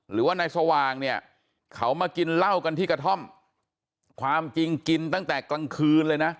หรือว่านายสว่างเนี่ยเขามากินเหล้ากันที่กระท่อมความจริงกินตั้งแต่กลางคืนเลยนะ